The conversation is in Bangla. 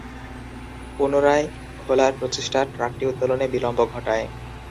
পুনরায় খোলার প্রচেষ্টা ট্র্যাকটি উত্তোলনে বিলম্ব ঘটায়।